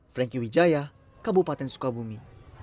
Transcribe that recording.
franky widjaya kabupaten sukabumi